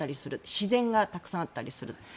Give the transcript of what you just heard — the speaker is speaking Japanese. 自然がたくさんあったりする。